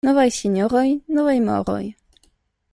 Novaj sinjoroj — novaj moroj.